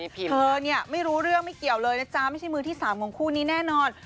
เธอเนี่ยไม่รู้เรื่องไม่เกี่ยวเลยนะจ๊ะไม่ใช่มือที่๓ของคู่นี้แน่นอน